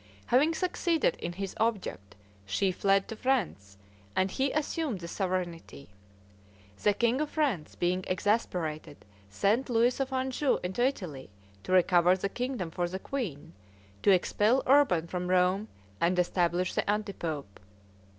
Having succeeded in his object, she fled to France, and he assumed the sovereignty. The king of France, being exasperated, sent Louis of Anjou into Italy to recover the kingdom for the queen, to expel Urban from Rome, and establish the anti pope.